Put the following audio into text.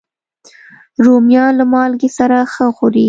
رومیان له مالګې سره ښه خوري